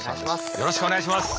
よろしくお願いします。